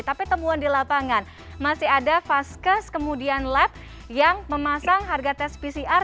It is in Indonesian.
tapi temuan di lapangan masih ada vaskes kemudian lab yang memasang harga tes pcr